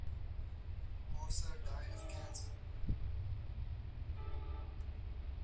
Orser died of cancer.